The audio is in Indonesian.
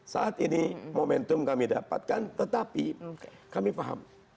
saat ini momentum kami dapatkan tetapi kami paham